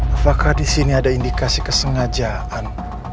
apakah di sini ada indikasi kesengajaan